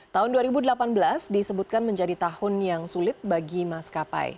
tahun dua ribu delapan belas disebutkan menjadi tahun yang sulit bagi maskapai